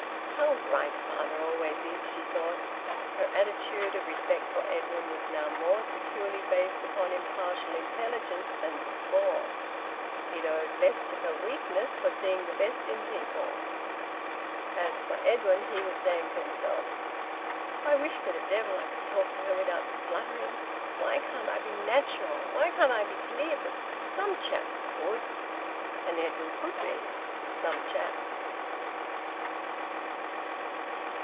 "How right father always is!" she thought. Her attitude of respect for Edwin was now more securely based upon impartial intelligence than before; it owed less to her weakness for seeing the best in people. As for Edwin, he was saying to himself: "I wish to the devil I could talk to her without spluttering! Why can't I be natural? Why can't I be glib? Some chaps could." And Edwin could be, with some chaps.